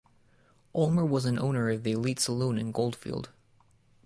Ulmer was an owner of the Elite Saloon in Goldfield.